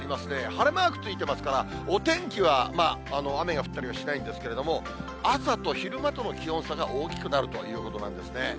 晴れマークついてますから、お天気は雨が降ったりはしないんですけれども、朝と昼間との気温差が大きくなるということなんですね。